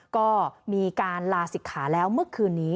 ก็มีการลาศิกขาแล้วเมื่อคืนนี้